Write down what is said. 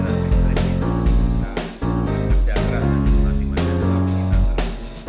dari sisi kualifikasi